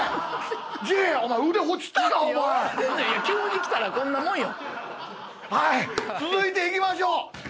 急に来たらこんなもんよ。続いていきましょう。